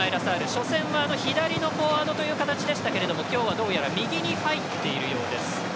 初戦は左のフォワードという形でしたけども今日は右に入っているようです。